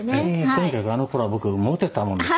とにかくあの頃は僕モテたもんで」